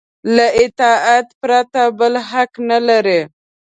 له اطاعت پرته بل حق نه لري.